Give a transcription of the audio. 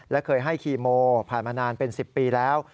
และเคยให้คีโมผ่านมานานเป็น๑๐ปีแล้ว